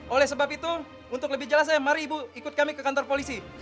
oleh sebab itu untuk lebih jelas saya mari ibu ikut kami ke kantor polisi